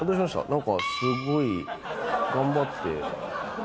何かすごい頑張って。